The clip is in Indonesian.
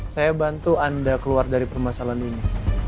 saya bantu anda keluar dari permasalahan ini